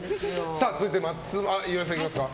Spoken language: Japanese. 続いて、岩井さんいきますか。